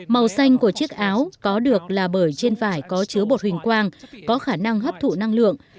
màu xanh của chiếc áo có được là bởi trên vải có chứa bột hình quang có khả năng hấp thụ năng lượng